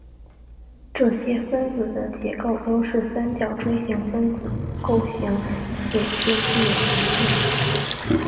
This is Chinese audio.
这些分子的结构都是三角锥形分子构型且皆具有极性。